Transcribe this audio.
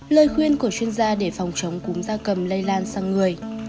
lời khuyên của chuyên gia để phòng chống cúm da cầm lây lan sang người